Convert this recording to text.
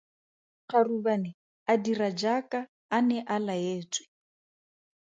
Kgarubane a dira jaaka a ne a laetswe.